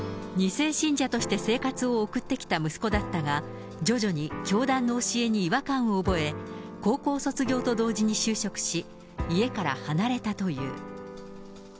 ２世信者として生活を送ってきた息子だったが、徐々に教団の教えに違和感を覚え、高校卒業と同時に就職し、家から離れたという。